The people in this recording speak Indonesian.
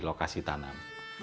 di lokasi tanam